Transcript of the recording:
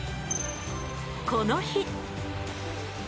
この日。